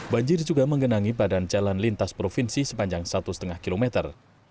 banjir juga menggenangi badan jalan lintas provinsi sepanjang satu lima kilometer